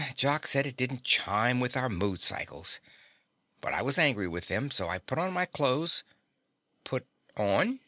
Jock said it didn't chime with our mood cycles. But I was angry with them, so I put on my clothes " "Put on